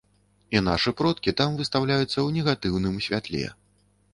І нашы продкі там выстаўляюцца ў негатыўным святле.